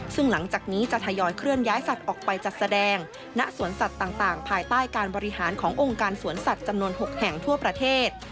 ซึ่งหลังจากนี้จะทยอยเคลื่อนย้ายสัตว์ออกไปจัดแสดงณสวนสัตว์ต่างภายใต้การบริหารขององค์การสวนสัตว์จำนวน๖แห่งทั่วประเทศ